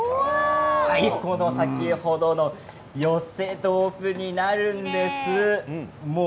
先ほどの寄せ豆腐になるんです。